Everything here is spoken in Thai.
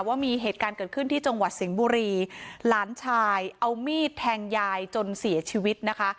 ว่ามีเหตุการณ์เกิดขึ้นที่จังหวัดสิงห์บุรีหลานชายเอามีดแทงยายจนเสียชีวิตนะคะ